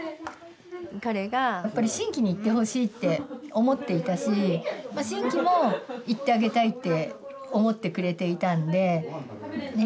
彼がやっぱり真気に行ってほしいって思っていたし真気も行ってあげたいって思ってくれていたんでね